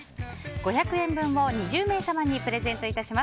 ５００円分を２０名様にプレゼントいたします。